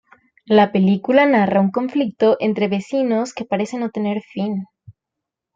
La película narra un conflicto entre vecinos que parece no tener fin.